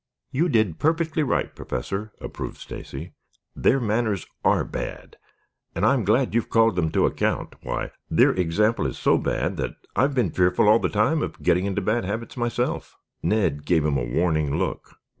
"You did perfectly right, Professor," approved Stacy. "Their manners are bad and I am glad you have called them to account. Why, their example is so bad that I have been fearful all the time of getting into bad habits myself." Ned gave him a warning look.